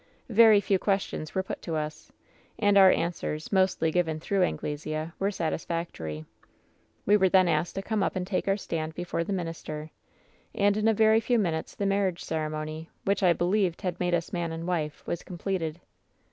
"Very few questions were put to us, and our answers, mostly given tiirough Anglesea, were satisfactory. "We were then asked to come up and take our stand before the minister. And in a verv few minutes the marriage ceremony, which I believed had made us man and wife, was completed.